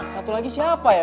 satu lagi siapa ya